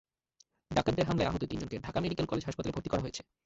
ডাকাতদের হামলায় আহত তিনজনকে ঢাকা মেডিকেল কলেজ হাসপাতালে ভর্তি করা হয়েছে।